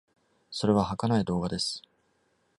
それははかない動画です。